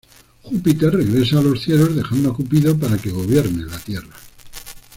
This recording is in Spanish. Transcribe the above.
Júpiter regresa a los cielos dejando a Cupido para que gobierne la tierra.